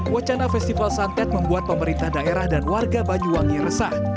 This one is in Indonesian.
wacana festival santet membuat pemerintah daerah dan warga banyuwangi resah